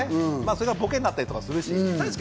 それがボケになったりもするし。